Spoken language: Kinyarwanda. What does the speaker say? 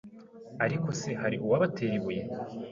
ariko se hari uwabatera ibuye